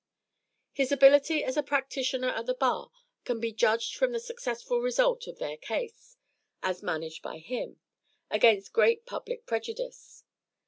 His ability as a practitioner at the bar can be judged from the successful result of their case, as managed by him, against great public prejudice.